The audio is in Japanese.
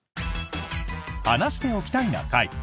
「話しておきたいな会」。